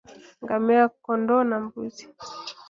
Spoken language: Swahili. Ngamia kondoo na mbuzi